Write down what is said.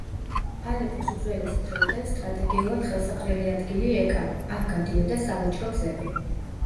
ალეპოს უძველესი დროიდან სტრატეგიულად ხელსაყრელი ადგილი ეკავა, აქ გადიოდა სავაჭრო გზები.